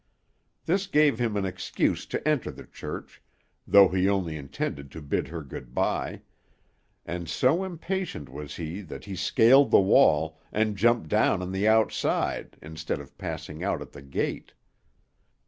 This gave him an excuse to enter the church, though he only intended to bid her good by; and so impatient was he that he scaled the wall, and jumped down on the outside, instead of passing out at the gate.